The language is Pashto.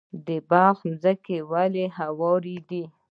د بلخ ځمکې ولې هوارې دي؟